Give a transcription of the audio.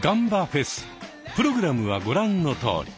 フェスプログラムはご覧のとおり。